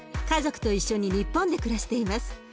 家族と一緒に日本で暮らしています。